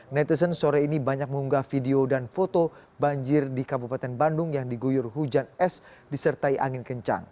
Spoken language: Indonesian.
netizen sore ini banyak mengunggah video dan foto banjir di kabupaten bandung yang diguyur hujan es disertai angin kencang